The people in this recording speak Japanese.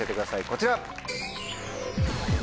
こちら。